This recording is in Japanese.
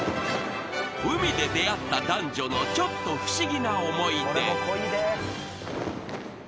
［海で出会った男女のちょっと不思議な思い出］